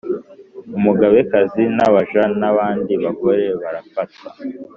umugabekazi n'abaja n'abandi bagore barafatwa